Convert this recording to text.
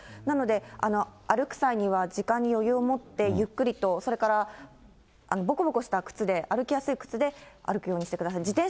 なので、歩く際には時間に余裕を持ってゆっくりと、それからぼこぼこした靴で、歩きやすい靴で歩くようにしてください。